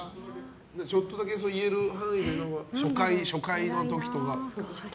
ちょっとだけ言える範囲で初回の時とか。